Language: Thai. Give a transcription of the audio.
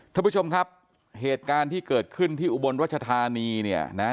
ท่านผู้ชมครับเหตุการณ์ที่เกิดขึ้นที่อุบลรัชธานีเนี่ยนะ